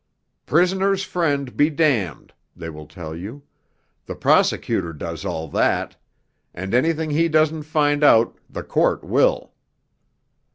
'Prisoner's Friend be damned!' they will tell you, 'the Prosecutor does all that! and anything he doesn't find out the Court will.'